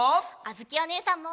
あづきおねえさんも！